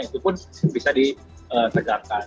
itu pun bisa ditegakkan